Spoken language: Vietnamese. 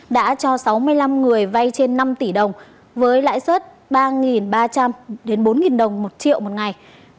đã cho sáu mươi năm người vay trên năm tỷ đồng với lãi suất ba ba trăm linh bốn đồng một triệu một ngày